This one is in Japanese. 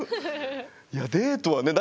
いやデートはね